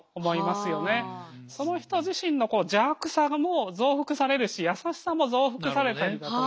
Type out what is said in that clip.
その人自身の邪悪さも増幅されるし優しさも増幅されたりだとか。